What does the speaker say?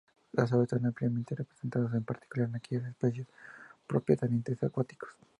Las aves están ampliamente representadas, en particular aquellas especies propias de ambientes acuáticos.